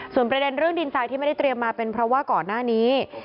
ส่วนประเด็นเรื่องดินทรายที่ไม่ได้เตรียมมาเป็นเพราะว่าก่อนหน้านี้